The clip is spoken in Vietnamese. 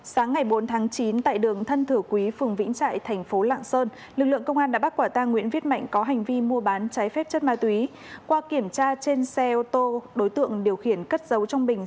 sáng ngày bốn tháng chín tại đường thân thử quý phường vĩnh trại thành phố lạng sơn lực lượng công an đã bắt quả tang nguyễn viết mạnh có hành vi mua bán trái phép chất ma túy qua kiểm tra trên xe ô tô đối tượng điều khiển cất giấu trong bình